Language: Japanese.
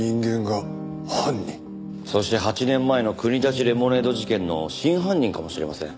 そして８年前の国立レモネード事件の真犯人かもしれません。